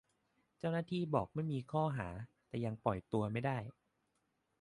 เจ้าหน้าที่บอกไม่มีข้อหา-แต่ยังปล่อยตัวไม่ได้